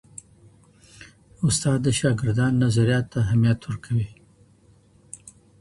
استاد د شاګردانو نظریاتو ته اهمیت ورکوي.